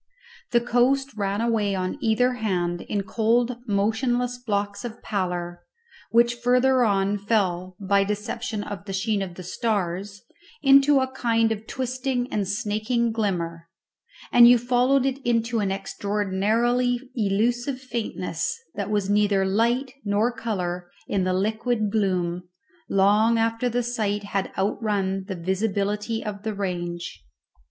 The coast ran away on either hand in cold motionless blocks of pallor, which further on fell (by deception of the sheen of the stars) into a kind of twisting and snaking glimmer, and you followed it into an extraordinarily elusive faintness that was neither light nor colour in the liquid gloom, long after the sight had outrun the visibility of the range.